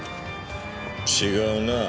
違うなあ。